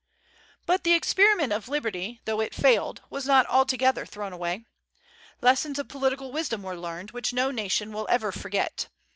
But the experiment of liberty, though it failed, was not altogether thrown away. Lessons of political wisdom were learned, which no nation will ever forget.